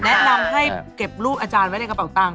แนะนำให้เก็บรูปอาจารย์ไว้ในกระเป๋าตัง